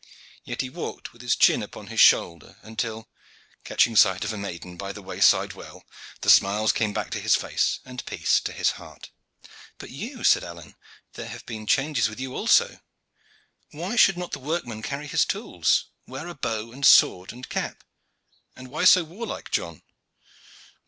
Yet he walked with his chin upon his shoulder, until, catching sight of a maiden by a wayside well, the smiles came back to his face and peace to his heart. "But you," said Alleyne, "there have been changes with you also. Why should not the workman carry his tools? Where are bow and sword and cap and why so warlike, John?"